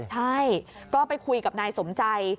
ใช่ก็ไปคุยกับนายสมใจ